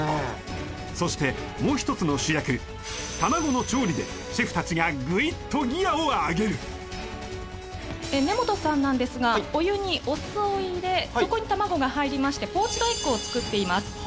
そしてもう１つの主役・卵の調理でシェフたちがぐいっとギヤを上げる根本さんなんですがお湯にお酢を入れそこに卵が入りましてポーチドエッグを作っています